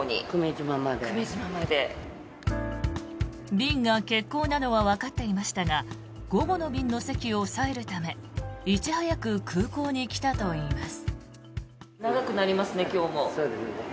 便が欠航なのはわかっていましたが午後の便の席を押さえるためいち早く空港に来たといいます。